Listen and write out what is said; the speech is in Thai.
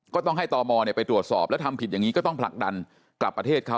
ก็ต้องให้ตมไปตรวจสอบแล้วทำผิดอย่างนี้ก็ต้องผลักดันกลับประเทศเขา